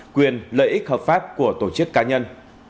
quyền lợi ích hợp pháp của tổ chức cá nhân